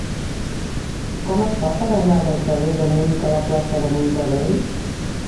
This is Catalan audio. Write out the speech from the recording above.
Com es fa per anar del carrer de Munic a la plaça de Monterrey?